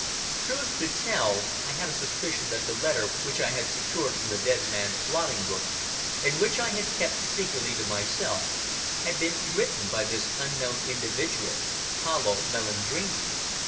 Truth to tell, I had a suspicion that the letter which I had secured from the dead man's blotting book, and which I had kept secretly to myself, had been written by this unknown individual Paolo Melandrini.